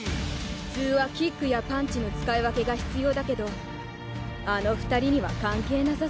普通はキックやパンチの使い分けが必要だけどあの２人には関係なさそうだね。